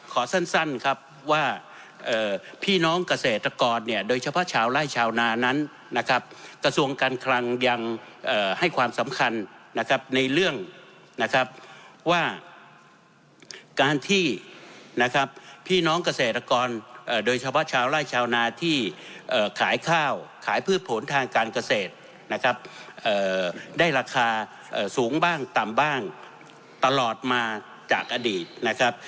ขอสั้นครับว่าพี่น้องเกษตรกรเนี่ยโดยเฉพาะชาวไล่ชาวนานั้นนะครับกระทรวงการคลังยังให้ความสำคัญนะครับในเรื่องนะครับว่าการที่นะครับพี่น้องเกษตรกรโดยเฉพาะชาวไล่ชาวนาที่ขายข้าวขายพืชผลทางการเกษตรนะครับได้ราคาสูงบ้างต่ำบ้างตลอดมาจากอดีตนะครับ